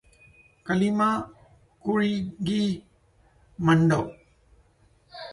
Kalima kurighe mando.